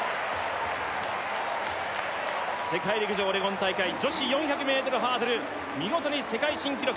世界陸上オレゴン大会女子４００ｍハードル見事に世界新記録